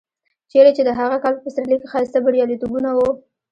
چېرې چې د هغه کال په پسرلي کې ښایسته بریالیتوبونه و.